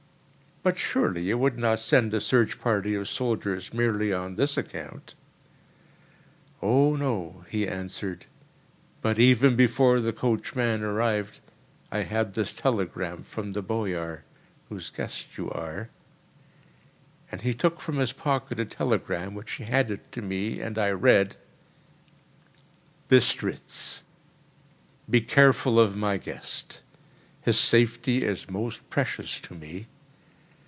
"But surely you would not send a search party of soldiers merely on this account?" "Oh, no!" he answered; "but even before the coachman arrived, I had this telegram from the Boyar whose guest you are," and he took from his pocket a telegram which he handed to me, and I read: Bistritz. Be careful of my guest—his safety is most precious to me.